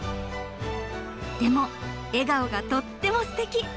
でも笑顔がとってもステキ！